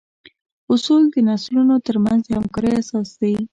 اصول د نسلونو تر منځ د همکارۍ اساس دي.